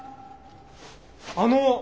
あの！